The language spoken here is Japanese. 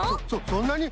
そんなに？